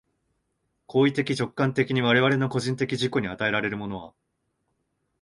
行為的直観的に我々の個人的自己に与えられるものは、